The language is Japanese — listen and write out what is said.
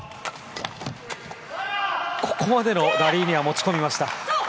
ここまでのラリーに持ち込みました。